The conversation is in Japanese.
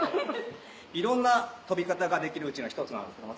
いろんな跳び方ができるうちの１つなんですけども。